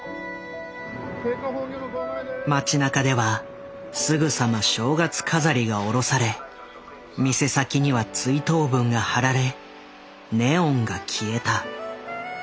街なかではすぐさま正月飾りがおろされ店先には追悼文がはられネオンが消えた。